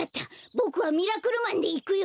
ボクはミラクルマンでいくよ！